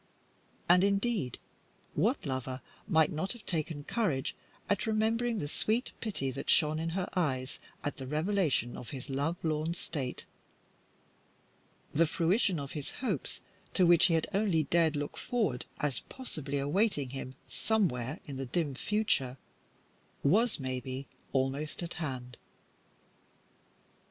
And, indeed, what lover might not have taken courage at remembering the sweet pity that shone in her eyes at the revelation of his love lorn state? The fruition of his hopes, to which he had only dared look forward as possibly awaiting him somewhere in the dim future, was, maybe, almost at hand.